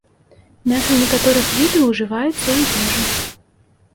Мяса некаторых відаў ужываецца ў ежу.